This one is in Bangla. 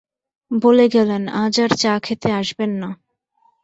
বলে গেলেন, আজ আর চা খেতে আসবেন না।